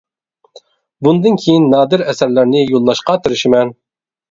بۇندىن كىيىن نادىر ئەسەرلەرنى يوللاشقا تىرىشىمەن.